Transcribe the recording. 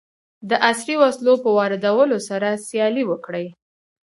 د عصري وسلو په واردولو سره سیالي وکړي.